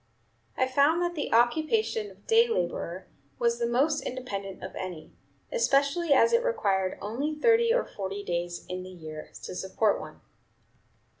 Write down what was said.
I found that the occupation of day laborer was the most independent of any, especially as it required only thirty or forty days in the year to support one."